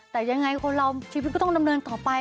แต่ยังไงคนเราชีวิตก็ต้องดำเนินต่อไป